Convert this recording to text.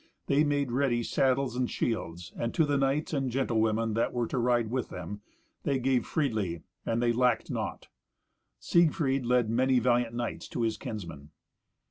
They made ready saddles and shields, and to the knights and the gentlewomen that were to ride with them, they gave freely, that they lacked naught. Siegfried led many valiant knights to his kinsmen.